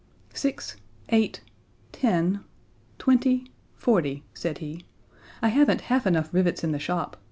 "Six, eight, ten twenty, forty," said he. "I haven't half enough rivets in the shop.